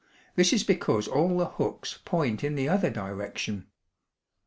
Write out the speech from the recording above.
This is because all the hooks point in the other direction.